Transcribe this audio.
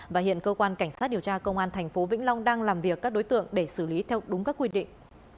và hiện cơ quan cảnh sát điều tra công an tp vĩnh long đang làm việc các đối tượng để xử lý theo đúng các quy định